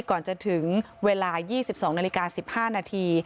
ก่อนจะถึงเวลา๒๒นาฬิกา๑๕นาที